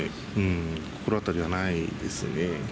心当たりはないですね。